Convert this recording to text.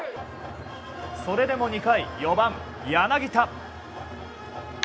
それでも２回４番、柳田。